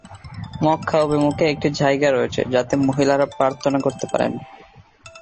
মক্কা অভিমুখে একটি জায়গা রয়েছে যাতে মহিলারা প্রার্থনা করতে পারেন।